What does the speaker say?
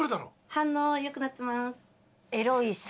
反応良くなってます。